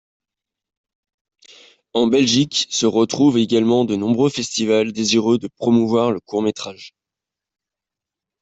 En Belgique, se retrouvent également de nombreux festivals désireux de promouvoir le court métrage.